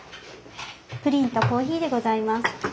プリンとコーヒーでございます。